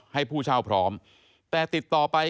ผู้เช่าพร้อมแต่ติดต่อไป